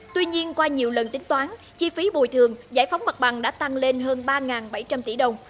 tuy nhiên qua nhiều lần tính toán chi phí bồi thường giải phóng mặt bằng đã tăng lên hơn ba bảy trăm linh tỷ đồng